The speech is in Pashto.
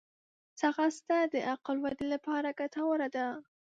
ځغاسته د عقل ودې لپاره ګټوره ده